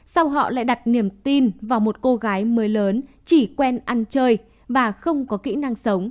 sau họ lại đặt niềm tin vào một cô gái mới lớn chỉ quen ăn chơi và không có kỹ năng sống